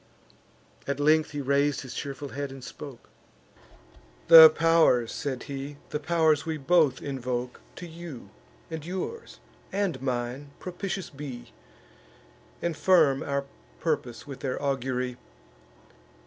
At length he rais'd his cheerful head, and spoke: "The pow'rs," said he, "the pow'rs we both invoke, To you, and yours, and mine, propitious be, And firm our purpose with their augury!